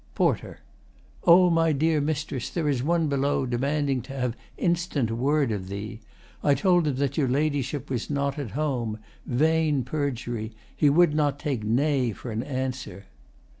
] PORTER O my dear Mistress, there is one below Demanding to have instant word of thee. I told him that your Ladyship was not At home. Vain perjury! He would not take Nay for an answer.